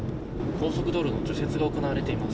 高速道路の除雪が行われています。